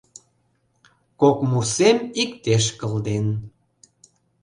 Кок мурсем иктеш кылден.